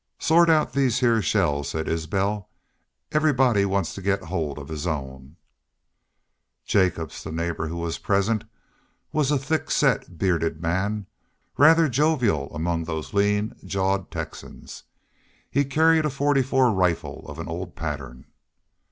"Sort out these heah shells," said Isbel. "Everybody wants to get hold of his own." Jacobs, the neighbor who was present, was a thick set, bearded man, rather jovial among those lean jawed Texans. He carried a .44 rifle of an old pattern.